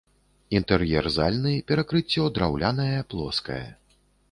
Інтэр'ер зальны, перакрыццё драўлянае, плоскае.